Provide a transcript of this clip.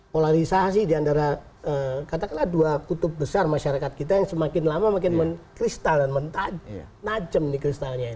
polarisasi diantara katakanlah dua kutub besar masyarakat kita yang semakin lama makin menajem kristalnya